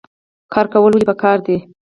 کار کول ولې پکار دي؟